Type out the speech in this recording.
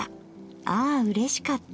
『ああうれしかった』